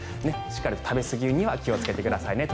しっかりと食べすぎには気をつけてくださいね。